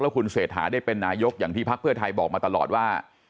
แล้วคุณเศษฐาได้เป็นนายกอย่างที่พพเวอร์ไทยบอกมาตลอดว่า